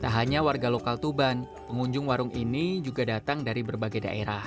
tak hanya warga lokal tuban pengunjung warung ini juga datang dari berbagai daerah